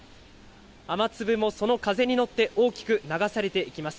雨粒もその風に乗って大きく流されていきます。